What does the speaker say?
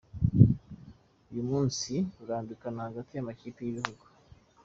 Uyu munsi rurambikana hagati y’amakipe y’ibihugu